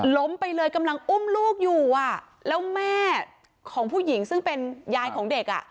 ล้มไปเลยกำลังอุ้มลูกอยู่อ่ะแล้วแม่ของผู้หญิงซึ่งเป็นยายของเด็กอ่ะ